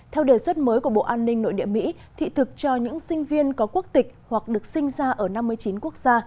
theo đề xuất mới của bộ an ninh nội địa mỹ thị thực cho những sinh viên có quốc tịch hoặc được sinh ra ở năm mươi chín quốc gia